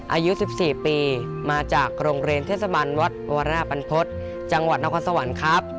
อายุ๑๔ปีมาจากโรงเรียนเทศบันวัดวรปันพฤษจังหวัดนครสวรรค์ครับ